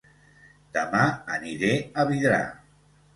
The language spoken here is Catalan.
Dema aniré a Vidrà